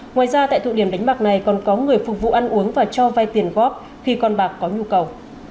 ngoài ra tại thụ điểm đánh bạc này còn có người phục vụ ăn uống và cho vay tiền góp khi con bạc có nhu cầu